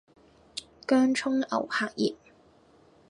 薑蔥牛柏葉